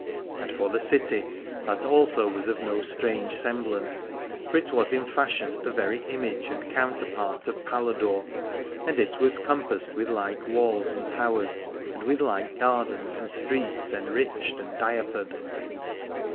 And for the city, that also was of no strange semblance, for it was in fashion the very image and counterpart of Paladore: and it was compassed with like walls and towers, and with like gardens and streets enriched and diapered.